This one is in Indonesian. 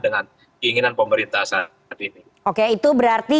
dengan keinginan pemerintah saat ini oke itu berarti